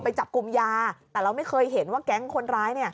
ไปจับกลุ่มยาแต่เราไม่เคยเห็นว่าแก๊งคนร้าย